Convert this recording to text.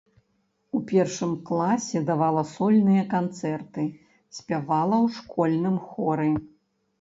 У першым класе давала сольныя канцэрты, спявала ў школьным хоры.